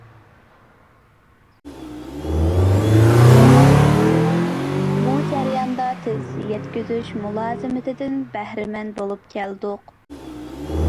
بۇ جەرياندا تېز يەتكۈزۈش مۇلازىمىتىدىن بەھرىمەن بولۇپ كەلدۇق.